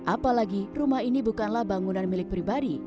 apalagi rumah ini bukanlah bangunan milik pribadi